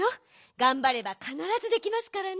がんばればかならずできますからね。